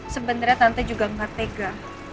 sebenarnya tante juga gak tega